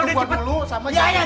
cepet dulu sama jangan